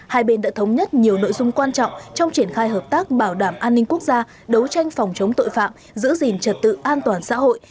hai bên đã thống nhất nhiều nội dung quan trọng trong triển khai hợp tác bảo đảm an ninh quốc gia đấu tranh phòng chống tội phạm giữ gìn trật tự an toàn xã hội